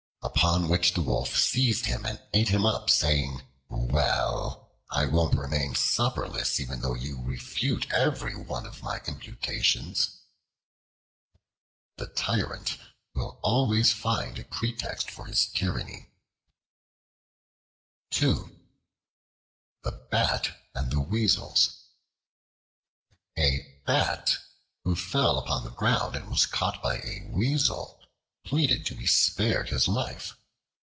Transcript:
Upon which the Wolf seized him and ate him up, saying, "Well! I won't remain supperless, even though you refute every one of my imputations." The tyrant will always find a pretext for his tyranny. The Bat And The Weasels A BAT who fell upon the ground and was caught by a Weasel pleaded to be spared his life.